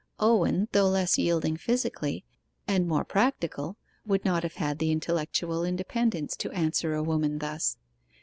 Owen, though less yielding physically, and more practical, would not have had the intellectual independence to answer a woman thus.